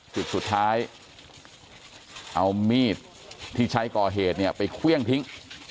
จุดสุดท้ายเอามีดที่ใช้ก่อเหตุเนี่ยไปเครื่องทิ้ง